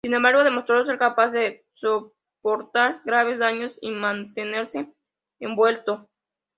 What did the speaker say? Sin embargo, demostró ser capaz de soportar graves daños y mantenerse en vuelo.